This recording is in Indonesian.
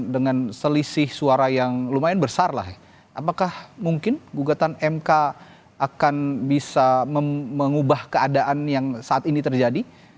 dengan selisih suara yang lumayan besar lah apakah mungkin gugatan mk akan bisa mengubah keadaan yang saat ini terjadi